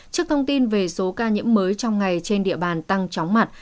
trước thông tin về số ca nhiễm mới trong ngày trên địa bàn tăng chóng mặt